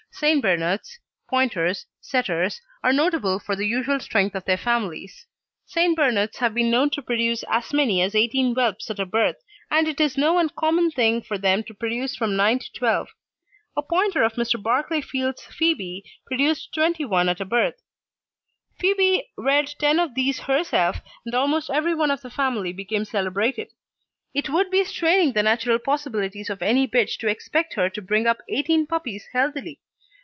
St. Bernards, Pointers, Setters are notable for the usual strength of their families. St. Bernards have been known to produce as many as eighteen whelps at a birth, and it is no uncommon thing for them to produce from nine to twelve. A Pointer of Mr. Barclay Field's produced fifteen, and it is well known that Mr. Statter's Setter Phoebe produced twenty one at a birth. Phoebe reared ten of these herself, and almost every one of the family became celebrated. It would be straining the natural possibilities of any bitch to expect her to bring up eighteen puppies healthily.